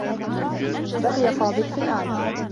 بقي فاضل في الأعلى.